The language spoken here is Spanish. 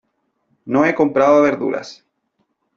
No he comprado verduras.